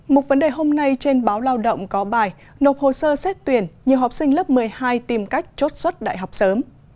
một vấn đề hôm nay trên báo lao động có bài nộp hồ sơ xét tuyển nhiều học sinh lớp một mươi hai tìm cách chốt xuất đại học sớm